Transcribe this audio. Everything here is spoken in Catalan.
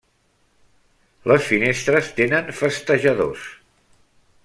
Les finestres tenen festejadors.